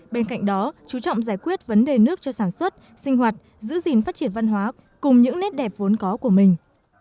bên cạnh đó chú trọng giải quyết vấn đề nước cho sản xuất sinh hoạt giữ gìn phát triển văn hóa cùng những nét đẹp vốn có của mình